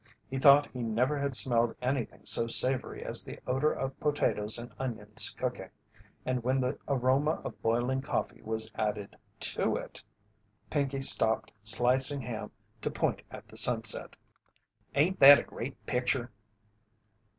He thought he never had smelled anything so savoury as the odour of potatoes and onions cooking, and when the aroma of boiling coffee was added to it! Pinkey stopped slicing ham to point at the sunset. "Ain't that a great picture?"